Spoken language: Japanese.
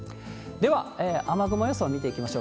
では、雨雲予想を見ていきましょう。